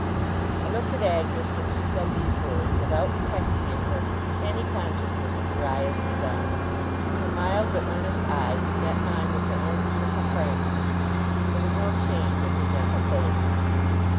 I looked at Agnes when she said these words, without detecting in her any consciousness of Uriah's design. Her mild but earnest eyes met mine with their own beautiful frankness, and there was no change in her gentle face.